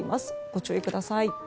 ご注意ください。